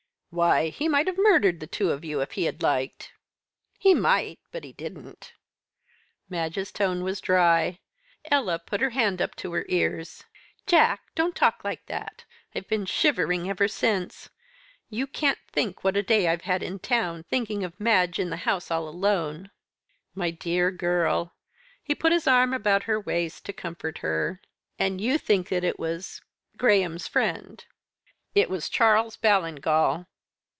"Why, he might have murdered the two of you if he had liked." "He might, but he didn't." Madge's tone was dry. Ella put her hand up to her ears. "Jack! don't talk like that; I've been shivering ever since. You can't think what a day I've had in town, thinking of Madge in the house all alone." "My dear girl." He put his arm about her waist, to comfort her. "And you think that it was Graham's friend." "It was Charles Ballingall."